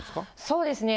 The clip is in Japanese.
そうですね。